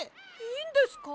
いいんですか？